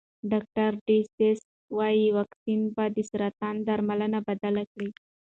ډاکټر ډسیس وايي واکسین به د سرطان درملنه بدله کړي.